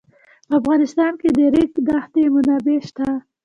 په افغانستان کې د د ریګ دښتې منابع شته.